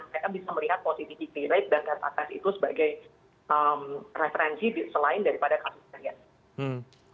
mereka bisa melihat positivity rate dan tes akses itu sebagai referensi selain daripada kasus harian